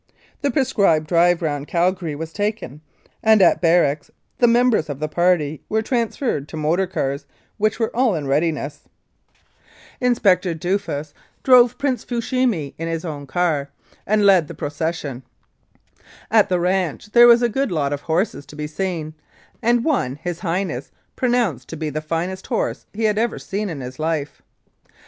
The prescribed drive round Calgary was taken, and at barracks the members of the party were transferred to motor cars, which were all in readiness. Inspector Duffus no 1906 14. Calgary drove Prince Fushimi in his own car, and led the pro cession. At the ranch there was a good lot of horses to be seen, and one His Highness pronounced to be the finest horse 'he had ever seen in his life.